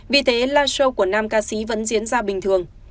vì thế live show của nam ca sĩ vẫn diễn ra bình thường